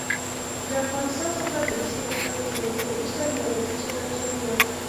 له افغانستان څخه د روسي لښکرو تر وتلو وروسته نیابتي جګړه جاري وه.